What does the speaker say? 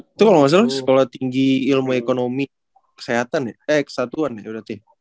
itu kalau nggak salah sekolah tinggi ilmu ekonomi kesehatan ya eh kesatuan ya berarti